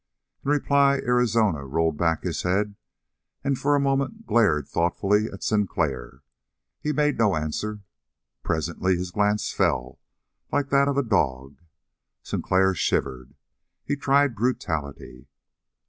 In reply Arizona rolled back his head and for a moment glared thoughtfully at Sinclair. He made no answer. Presently his glance fell, like that of a dog. Sinclair shivered. He tried brutality.